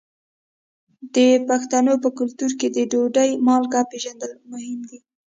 د پښتنو په کلتور کې د ډوډۍ مالګه پیژندل مهم دي.